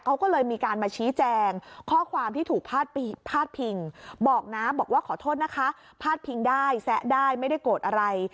เขาก็เลยมีการมาชี้แจงข้อความที่ถูกพาดพิงบอกนะบอกว่าขอโทษนะคะพาดพิงได้แซะได้ไม่ได้โกรธอะไร